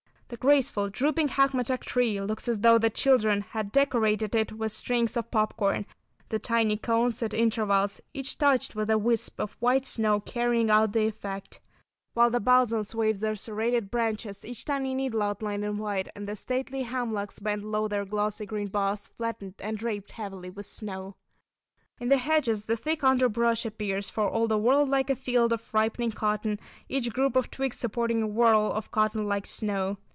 The graceful, drooping Hackmatack tree looks as though the children had decorated it with strings of popcorn, the tiny cones at intervals each touched with a wisp of white snow carrying out the effect. While the Balsams wave their serrated branches, each tiny needle outlined in white, and the stately Hemlocks bend low their glossy green boughs, flattened and draped heavily with snow. In the hedges the thick underbrush appears for all the world like a field of ripening cotton, each group of twigs supporting a whorl of cotton like snow.